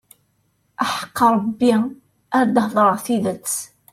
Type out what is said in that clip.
Aḥeqq Rebbi ar d-heddṛeɣ tidet.